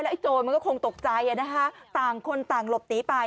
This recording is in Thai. ไอโจรมันก็คงตกใจต่างคนต่างหลบหนีไป